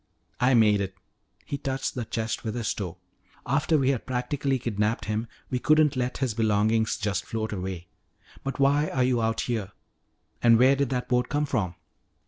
"I made it." He touched the chest with his toe. "After we had practically kidnapped him, we couldn't let his belongings just float away. But why are you out here? And where did that boat come from?"